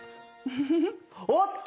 おっと！